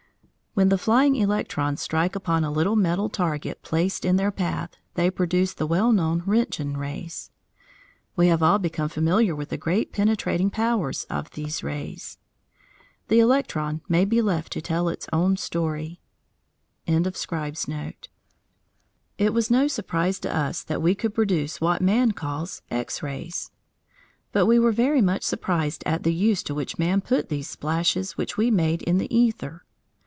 When the flying electrons strike upon a little metal target placed in their path, they produce the well known Roentgen rays. We have all become familiar with the great penetrating powers of these rays. The electron may be left to tell its own story. CHAPTER XVII MY X RAY EXPERIENCES It was no surprise to us that we could produce what man calls X rays, but we were very much surprised at the use to which man put these splashes which we made in the æther.